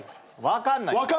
分かんないです。